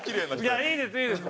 いやいいですいいです。